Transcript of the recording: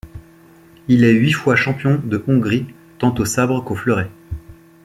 Il est huit fois champion de Hongrie tant au sabre qu'au fleuret.